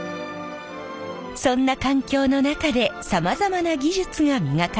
そんな環境の中でさまざまな技術が磨かれてきました。